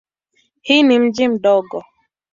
Hii ni mji mdogo.